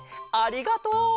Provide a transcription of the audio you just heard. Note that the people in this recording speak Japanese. ありがとう！